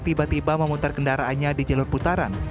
tiba tiba memutar kendaraannya di jalur putaran